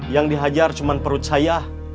yang dihajar cuma perut saya